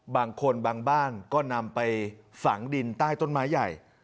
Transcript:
บางคนบางบ้านก็นำไปฝังดินใต้ต้นไม้ใหญ่